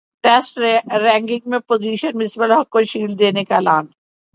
test ranking میں position Misbah ul-Haq کو shield دینے کا اعلان